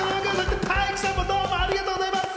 体育さんもありがとうございます。